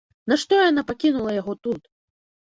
Нашто яна пакінула яго тут?